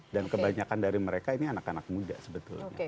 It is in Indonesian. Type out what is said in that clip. kebanyakan dari mereka ini anak anak muda sebetulnya